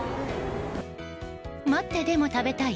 待ってでも食べたい